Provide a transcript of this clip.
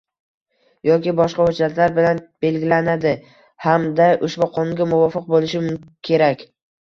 yoki boshqa hujjatlar bilan belgilanadi hamda ushbu Qonunga muvofiq bo‘lishi kerak.